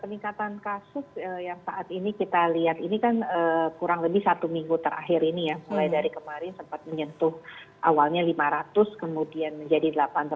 peningkatan kasus yang saat ini kita lihat ini kan kurang lebih satu minggu terakhir ini ya mulai dari kemarin sempat menyentuh awalnya lima ratus kemudian menjadi delapan ratus